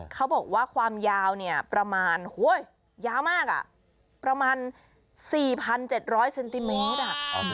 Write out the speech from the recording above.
เขาบอกว่าความยาวเนี่ยประมาณยาวมากประมาณ๔๗๐๐เซนติเมตร